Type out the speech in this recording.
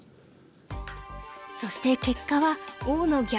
そして結果は王の逆転勝ち。